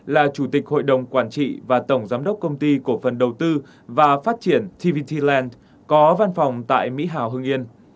là chủ tịch hội đồng quản trị và tổng giám đốc công ty cổ phần đầu tư và phát triển tvt land có văn phòng tại mỹ hào hương yên